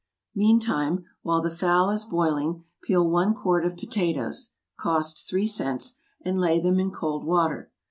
Meantime, while the fowl is boiling, peel one quart of potatoes, (cost three cents,) and lay them in cold water.